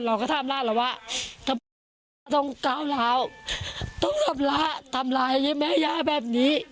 เราก็ท่ามร่านเราว่าต้องกล่าวราวต้องทำละทำลายแม้ยาแบบนี้